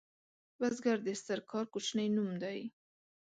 بزګر د ستر کار کوچنی نوم دی